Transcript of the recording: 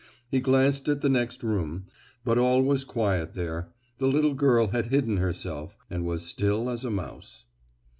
He glanced at the next room, but all was quiet there; the little girl had hidden herself, and was as still as a mouse.